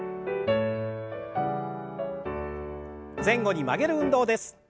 前後に曲げる運動です。